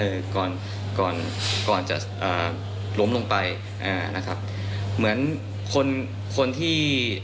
ก่อนก่อนก่อนจะเอ่อล้มลงไปอ่านะครับเหมือนคนคนที่